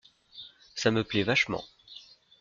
Ça me plait vachement.